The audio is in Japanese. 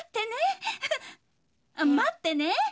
待ってねー。